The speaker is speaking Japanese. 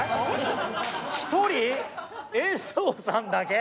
１人遠藤さんだけ。